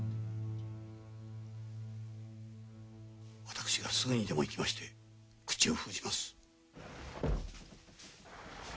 私がすぐにでも行きまして口を封じます。